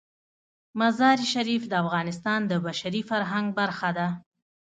مزارشریف د افغانستان د بشري فرهنګ برخه ده.